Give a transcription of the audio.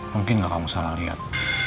mungkin gak kamu salah lihat